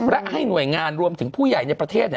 และให้หน่วยงานรวมถึงผู้ใหญ่ในประเทศ